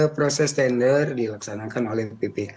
proses tender dilaksanakan oleh ppa